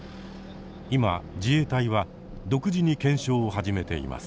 今自衛隊は独自に検証を始めています。